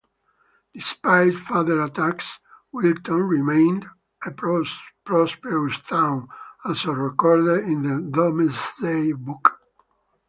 Despite further attacks, Wilton remained a prosperous town, as recorded in the Domesday book.